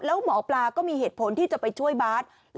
แล้วหมอปลาก็มีเหตุผลที่จะไปช่วยบาส